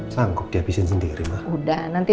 sanggup dihabisin sendiri ma udah nanti